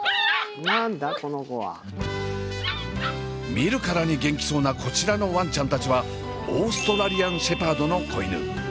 見るからに元気そうなこちらのわんちゃんたちはオーストラリアン・シェパードの子犬。